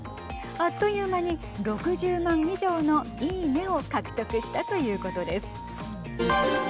あっという間に６０万以上のいいねを獲得したということです。